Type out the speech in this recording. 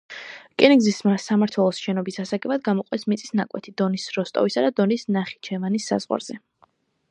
რკინიგზის სამმართველოს შენობის ასაგებად გამოყვეს მიწის ნაკვეთი დონის როსტოვისა და დონის ნახიჩევანის საზღვარზე.